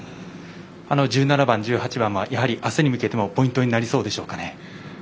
１７番、１８番は、やはりあすに向けてもポイントになりそうでしょうか。